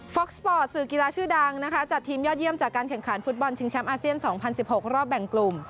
สปอร์ตสื่อกีฬาชื่อดังนะคะจัดทีมยอดเยี่ยมจากการแข่งขันฟุตบอลชิงแชมป์อาเซียน๒๐๑๖รอบแบ่งกลุ่ม